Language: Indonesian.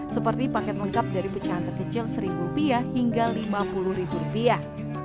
seperti paket lengkap dari pecahan terkecil seribu rupiah hingga lima puluh ribu rupiah